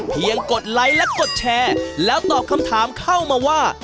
กดไลค์และกดแชร์แล้วตอบคำถามเข้ามาว่า